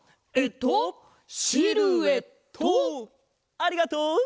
ありがとう！